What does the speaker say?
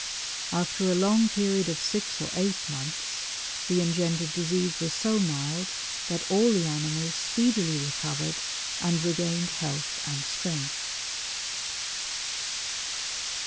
After a long period of six or eight months the engendered disease was so mild that all the animals speedily recovered and regained health and strength.